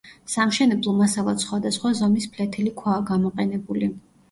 სამშენებლო მასალად სხვადასხვა ზომის ფლეთილი ქვაა გამოყენებული.